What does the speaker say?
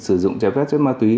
sử dụng trái phép chất ma túy